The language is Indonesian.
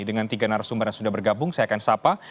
dengan tiga narasumber yang sudah bergabung saya akan sapa